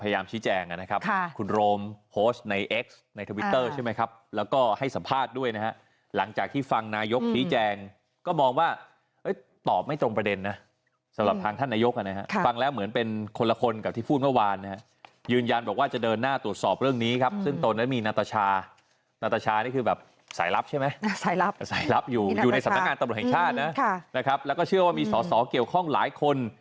อยู่ในสำนักงานตำรวจแห่งชาตินะแล้วก็เชื่อว่ามีสอสอเกี่ยวข้องหลายคน